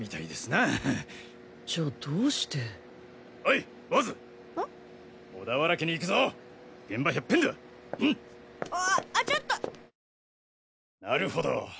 なるほど。